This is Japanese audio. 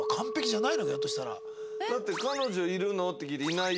だって「彼女いるの？」って聞いて「いないよ」。